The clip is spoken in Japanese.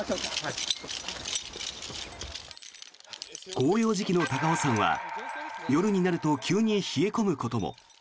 紅葉時期の高尾山は夜になると急に冷え込むことも。